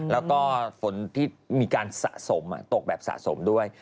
แล้วก็ฝนที่มีการสะสมตกแบบสะสมด้วย